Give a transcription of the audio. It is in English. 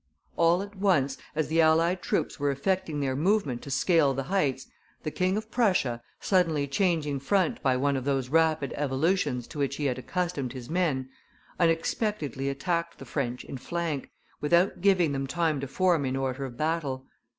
All at once, as the allied troops were effecting their movement to scale the heights, the King of Prussia, suddenly changing front by one of those rapid evolutions to which he had accustomed his men, unexpectedly attacked the French in flank, without giving them time to form in order of battle.